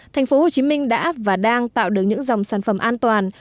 thành phố hồ chí minh đã và đang tạo được những dòng sản phẩm an toàn